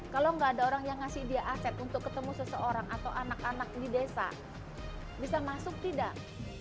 kalau nggak ada orang yang ngasih dia aset untuk ketemu seseorang atau anak anak di desa bisa masuk tidak